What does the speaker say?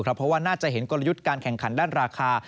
เพราะว่าน่าจะเห็นกลยุทธ์การแข่งขันด้านราคา